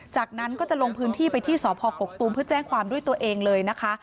จากนั้นก็จะลงพื้นที่ไปที่สพกกตูมเพื่อแจ้งความด้วยตัวเองเลยนะคะ